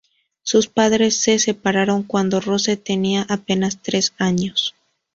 Sus padres se separaron cuando Rose tenía apenas tres años.